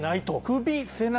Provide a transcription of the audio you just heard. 首背中